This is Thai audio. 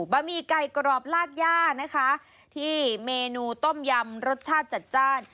เมนูเบอร์มีไก่กรอบลากหญ้านะคะที่เมนูต้มยำรสชาติชาติจ้าน